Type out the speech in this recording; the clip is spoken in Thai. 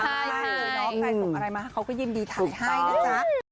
ใช่น้องใจส่งอะไรมาเขาก็ยินดีถ่ายให้นะจ๊ะ